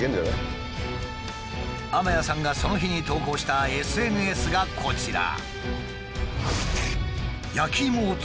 天谷さんがその日に投稿したＳＮＳがこちら。